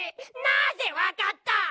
なぜわかった？